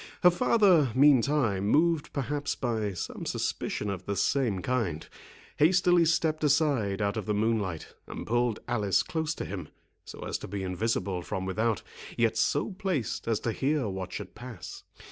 Her father, meantime, moved perhaps by some suspicion of the same kind, hastily stepped aside out of the moonlight, and pulled Alice close to him, so as to be invisible from without, yet so placed as to hear what should pass.